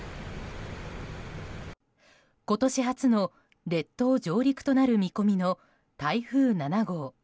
今年初の列島上陸となる見込みの台風７号。